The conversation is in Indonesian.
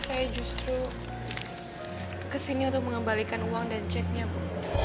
saya justru kesini untuk mengembalikan uang dan ceknya bunda